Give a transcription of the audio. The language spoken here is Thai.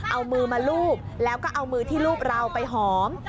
เอามือมาลูบแล้วก็เอามือที่รูปเราไปหอม